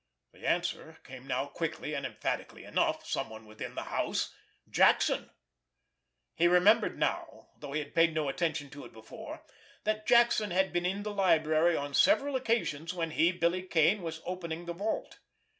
The answer came now quickly and emphatically enough—someone within the house—Jackson. He remembered now, though he had paid no attention to it before, that Jackson had been in the library on several occasions when he, Billy Kane, was opening the vault.